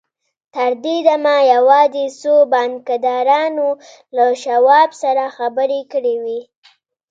تر دې دمه يوازې څو بانکدارانو له شواب سره خبرې کړې وې.